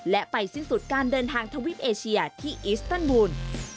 และไปสิ้นสุดการเดินทางทวิปเอเชียที่อิสเตอร์บูล